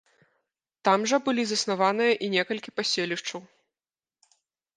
Там жа былі заснаваныя і некалькі паселішчаў.